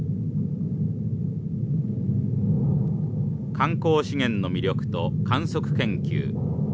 観光資源の魅力と観測研究。